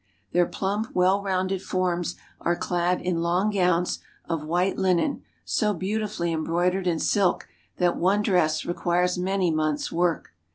Their plump, well rounded forms are clad in long gowns of white linen so beautifully embroidered in silk that one dress requires many months' work.